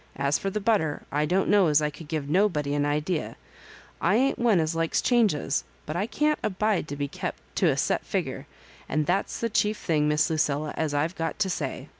As for the butter, I don't know as I could give nobody an idea f I ain't one as likes changes, but I can't abide to be kept to a set figger ; and that's the chief thing. Miss Lucilla, as I've got to say."